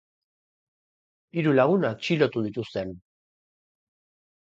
Hiru lagun atxilotu dituzte han.